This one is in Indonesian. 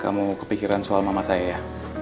kamu kepikiran soal mama saya